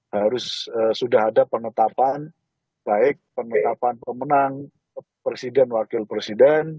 harus sudah ada penetapan baik penetapan pemenang presiden wakil presiden